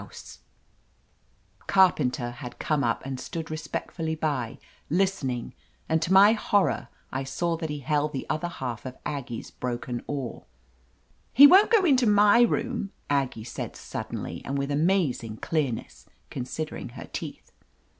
288 OF LETITIA CARBERRY Carpenter had come up and stood respect fully by, listening, and to my horror I saw that he held the other half of Aggie's broken oar. "He won't go into my rooml" Aggie said suddenly, and with amazing clearness, consid ering her teeth.